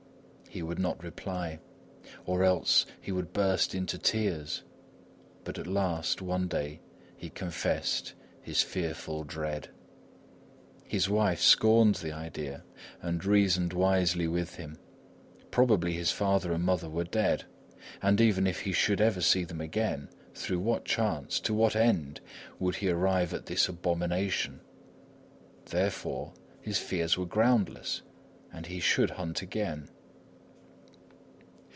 He would not reply, or else he would burst into tears; but at last, one day, he confessed his fearful dread. His wife scorned the idea and reasoned wisely with him: probably his father and mother were dead; and even if he should ever see them again, through what chance, to what end, would he arrive at this abomination? Therefore, his fears were groundless, and he should hunt again.